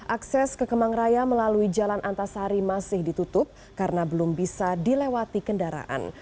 akses ke kemang raya melalui jalan antasari masih ditutup karena belum bisa dilewati kendaraan